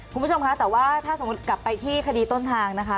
คุณผู้ชมคะแต่ว่าถ้าสมมุติกลับไปที่คดีต้นทางนะคะ